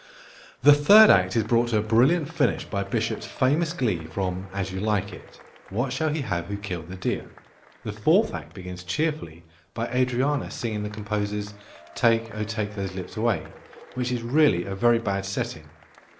The third act is brought to a brilliant finish by Bishop's famous glee from As You Like It, "What shall he have who killed the deer?" The fourth act begins cheerfully by Adriana singing the composer's "Take, oh take those lips away," which is really a very bad setting.